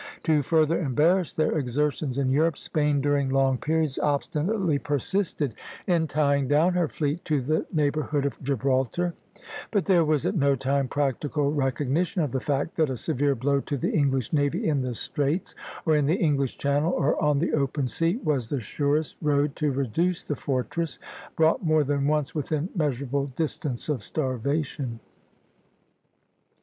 To further embarrass their exertions in Europe, Spain, during long periods, obstinately persisted in tying down her fleet to the neighborhood of Gibraltar; but there was at no time practical recognition of the fact that a severe blow to the English navy in the Straits, or in the English Channel, or on the open sea, was the surest road to reduce the fortress, brought more than once within measurable distance of starvation.